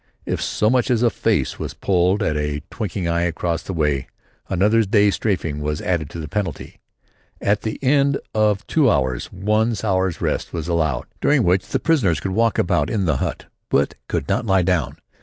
If so much as a face was pulled at a twinkling eye across the way, another day's strafing was added to the penalty. At the end of the two hours one hour's rest was allowed, during which the prisoners could walk about in the hut but could not lie down!